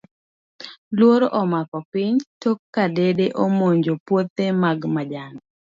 Luoro omako piny, tok ka dede omonjo puthe mag majan.